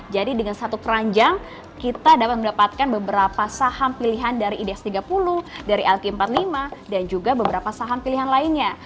jadi dengan satu keranjang kita dapat mendapatkan beberapa saham pilihan dari idx tiga puluh dari lk empat puluh lima dan juga beberapa saham pilihan lainnya